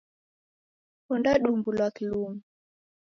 Ondadumbulwa kilumi.